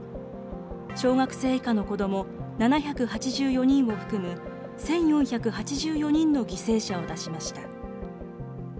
小学生以下の子ども７８４人を含む１４８４人の犠牲者を出しました。